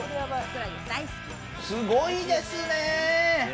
すごいですね！